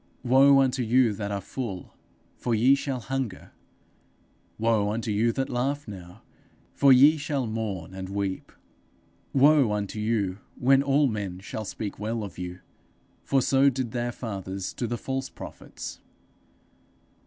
Woe unto you that are full, for ye shall hunger. Woe unto you that laugh now, for ye shall mourn and weep. Woe unto you when all men shall speak well of you; for so did their fathers to the false prophets.'